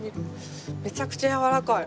めちゃくちゃやわらかい。